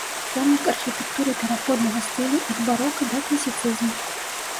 Помнік архітэктуры пераходнага стылю ад барока да класіцызму.